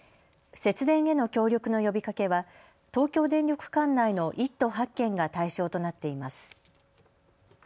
節電への協力の呼びかけは東京電力管内の１都８県が対象となっています。